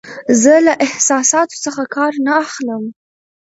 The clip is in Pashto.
زه له احساساتو څخه کار نه اخلم.